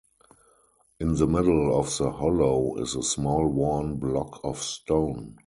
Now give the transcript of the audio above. In the middle of the hollow is a small worn block of stone.